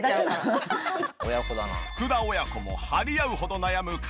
福田親子も張り合うほど悩む体のコリ。